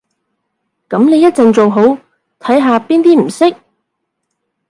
噉你一陣做好，睇下邊啲唔識